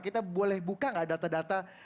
kita boleh buka nggak data data